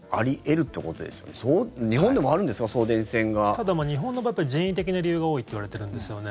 ただ、日本の場合は人為的な理由が多いといわれているんですよね。